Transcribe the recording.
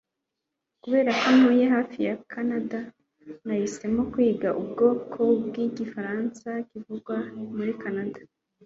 Kubera ko ntuye hafi ya Kanada nahisemo kwiga ubwoko bwigifaransa kivugwa muri Kanada